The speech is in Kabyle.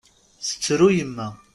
Tettru yemma.